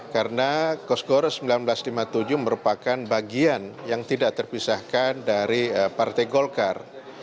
karena kosgoro seribu sembilan ratus lima puluh tujuh merupakan bagian yang tidak terpisahkan dari partai golkar